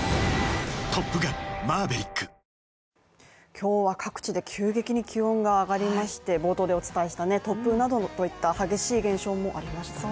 今日は各地で急激に気温が上がりまして冒頭でお伝えした突風などといった激しい現象もありました